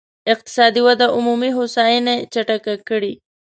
اقتصادي وده عمومي هوساينې چټکه کړي.